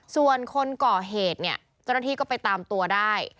ส่วนคนก่อเหตุเนี่ยเจ้าหน้าที่ก็ไปตามตัวได้